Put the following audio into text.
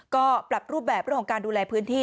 ก็ปรับรูปแบบเรื่องของการดูแลพื้นที่